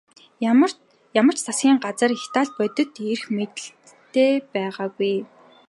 Ямар ч засгийн газар Италид бодит эрх мэдэлтэй байгаагүй.